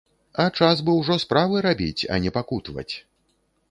А час бы ужо справы рабіць, а не пакутаваць.